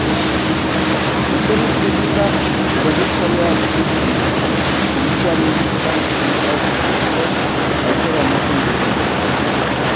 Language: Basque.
Zuzeneko teknika berritzailea eskaintzen du, publikoari musika elektronikoaz gozatzeko aukera ematen diona.